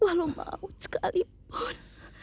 walau maut sekalipun